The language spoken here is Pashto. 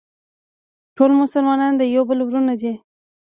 ټول مسلمانان د یو بل وروڼه دي.